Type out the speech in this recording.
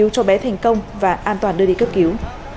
công và an toàn đưa đi cướp cứu